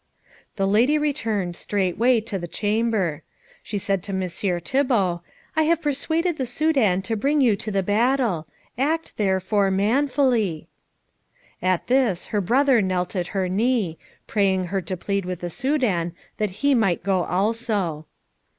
The lady returned straightway to the chamber. She said to Messire Thibault, "I have persuaded the Soudan to bring you to the battle. Act therefore manfully." At this her brother knelt at her knee, praying her to plead with the Soudan that he might go also.